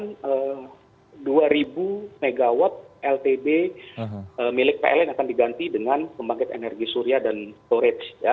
kemudian dua ribu megawatt ltb milik pln akan diganti dengan pembangkit energi surya dan storage